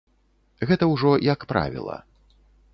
Гэта ўжо як правіла.